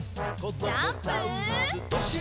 ジャンプ！